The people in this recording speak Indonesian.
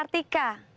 ini di mana